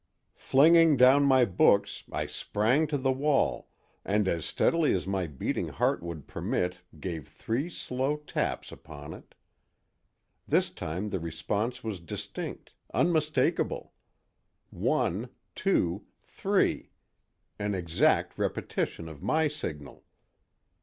Flinging down my books I sprang to the wall and as steadily as my beating heart would permit gave three slow taps upon it. This time the response was distinct, unmistakable: one, two, three—an exact repetition of my signal.